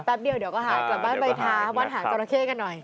เดียวเดี๋ยวก็หากลับบ้านไปท้าวัดหางจราเข้กันหน่อย